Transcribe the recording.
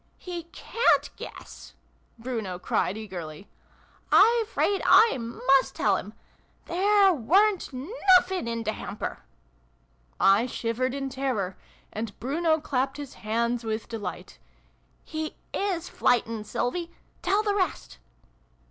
" He ca'n't guess !" Bruno cried eagerly. " I 'fraid I must tell him! There weren't nuffin in the hamper !" I shivered in terror, and Bruno clapped his hands with delight. " He is flightened, Sylvie ! Tell the rest